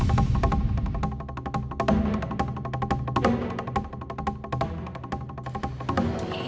sorry tapi aku mau